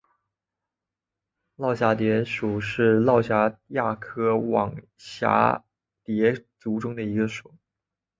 络蛱蝶属是蛱蝶亚科网蛱蝶族中的一个属。